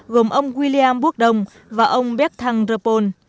gồm ông william búc đông và ông béc thăng rơ pôn